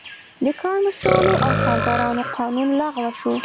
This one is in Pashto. د کارمشرانو او کارګرانو قانون لغوه شو.